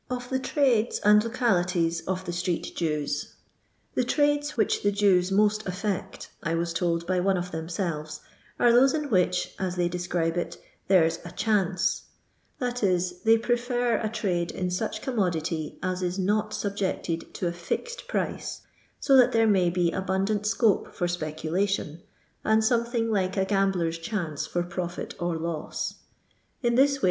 Or THE Tbades and Localities of the SteeetJews. The trades which the Jews most affect, I was told by one of themselves, are those in which, as they describe it, " there's a chance;'' that is, they prefer a trade in such commodity as is not sub jected to a fixed price, so that there may bo abundant scope for speculation, and something like a gambler's chance for profit or loss. In this way.